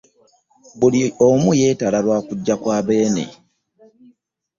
Buli omu yeetala lwa kujja kwa Beene.